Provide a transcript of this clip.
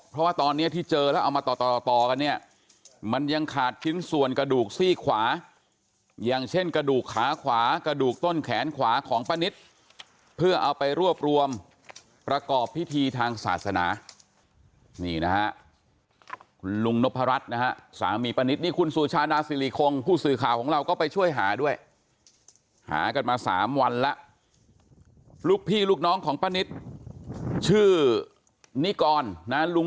เพราะว่าตอนนี้ที่เจอแล้วเอามาต่อต่อกันเนี่ยมันยังขาดชิ้นส่วนกระดูกซี่ขวาอย่างเช่นกระดูกขาขวากระดูกต้นแขนขวาของป้านิตเพื่อเอาไปรวบรวมประกอบพิธีทางศาสนานี่นะฮะคุณลุงนพรัชนะฮะสามีป้านิตนี่คุณสุชาดาสิริคงผู้สื่อข่าวของเราก็ไปช่วยหาด้วยหากันมา๓วันแล้วลูกพี่ลูกน้องของป้านิตชื่อนิกรนะลุง